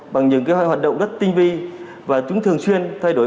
bằng những hoạt động rất tinh vi và chúng thường xuyên thay đổi